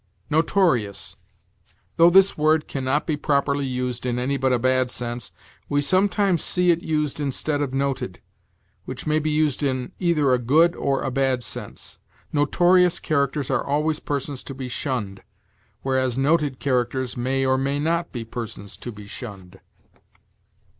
NOTORIOUS. Though this word can not be properly used in any but a bad sense, we sometimes see it used instead of noted, which may be used in either a good or a bad sense. Notorious characters are always persons to be shunned, whereas noted characters may or may not be persons to be shunned.